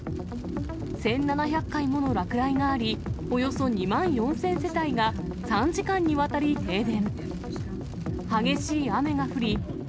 １７００回もの落雷があり、およそ２万４０００世帯が３時間にわたり停電。